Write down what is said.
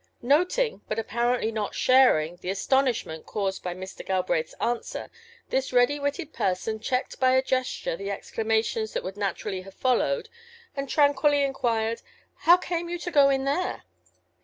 ŌĆØ Noting, but apparently not sharing, the astonishment caused by Mr. GalbraithŌĆÖs answer this ready witted person checked by a gesture the exclamations that would naturally have followed, and tranquilly inquired: ŌĆ£How came you to go in there?